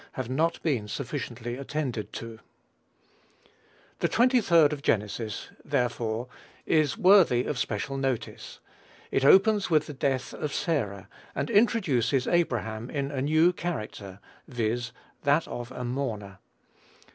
have not been sufficiently attended to. The 23d of Genesis therefore is worthy of special notice. It opens with the death of Sarah, and introduces Abraham in a new character, viz., that of a mourner.